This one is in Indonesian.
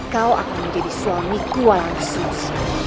kau akan menjadi suamiku langsung